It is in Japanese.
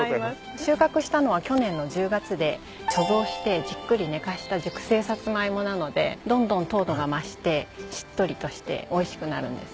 収穫したのは去年の１０月で貯蔵してじっくり寝かせた熟成サツマイモなのでどんどん糖度が増してしっとりとしておいしくなるんです。